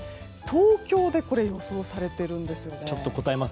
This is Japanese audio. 東京で予想されているんですね。